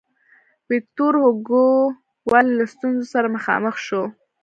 ویکتور هوګو ولې له ستونزو سره مخامخ شو.